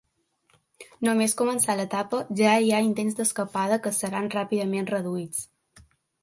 Només començar l'etapa ja hi ha intents d'escapada que seran ràpidament reduïts.